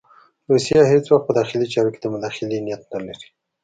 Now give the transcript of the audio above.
روسیه هېڅ وخت په داخلي چارو کې د مداخلې نیت نه لري.